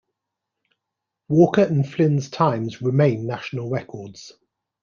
Walker and Flynn's times remain national records.